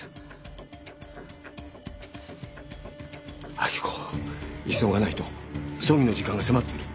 明子急がないと葬儀の時間が迫ってる。